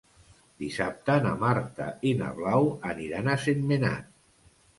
Dissabte na Marta i na Blau aniran a Sentmenat.